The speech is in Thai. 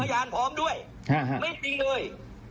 พยานพร้อมด้วยไม่จริงเลย